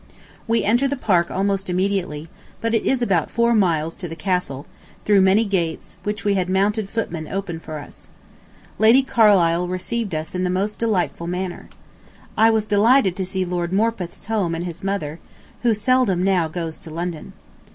We enter the Park almost immediately, but it is about four miles to the Castle, through many gates, which we had mounted footmen open for us. Lady Carlisle received us in the most delightful manner. ... I was delighted to see Lord Morpeth's home and his mother, who seldom now goes to London.